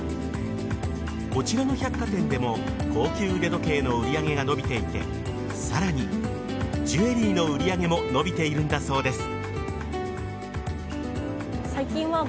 こちらの百貨店でも高級腕時計の売り上げが伸びていてさらに、ジュエリーの売り上げも伸びているんだそうです。